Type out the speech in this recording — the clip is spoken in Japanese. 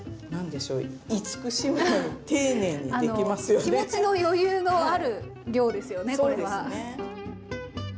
まあ気持ちの余裕のある量ですよねこれは。